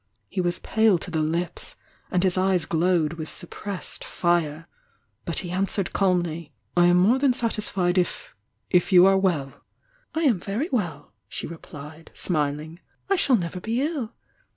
He was pale to the lips, and his eyes glowed with suppressed fire, — but he answered calmly: "I am more than satisfied if — if you are well!" "I am very well," she replied, smiling. "I shall never be ill.